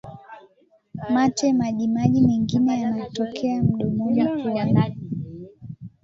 mate majimaji mengine yanayotokea mdomoni puani